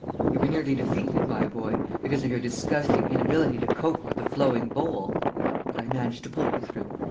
You were nearly defeated, my boy, because of your disgusting inability to cope with the flowing bowl, but I managed to pull you through.